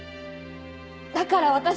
だから私は。